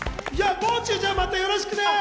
もう中、またよろしくね。